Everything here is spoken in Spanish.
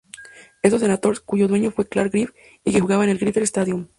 Estos Senators cuyo dueño fue Clark Griffith y que jugaban en el Griffith Stadium.